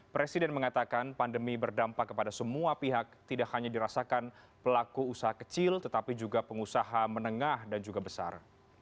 presiden mengatakan pandemi berdampak kepada semua pihak tidak hanya dirasakan pelaku usaha kecil tetapi juga pengusaha menengah dan juga besar